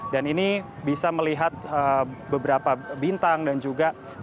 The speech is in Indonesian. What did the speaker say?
dan ini bisa melihat beberapa bintang dan juga bulan itu sendiri